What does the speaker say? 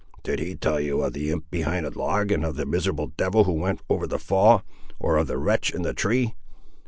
did he tell you of the imp behind the log and of the miserable devil who went over the fall—or of the wretch in the tree?"